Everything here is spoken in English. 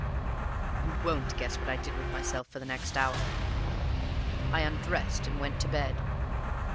"You won't guess what I did with myself for the next hour. I undressed and went to bed.